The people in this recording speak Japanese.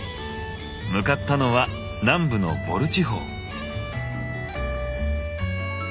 向かったのは南部のヴォル地方。